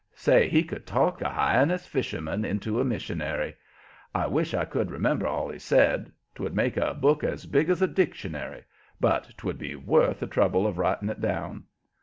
Say, he could talk a Hyannis fisherman into a missionary. I wish I could remember all he said; 'twould make a book as big as a dictionary, but 'twould be worth the trouble of writing it down.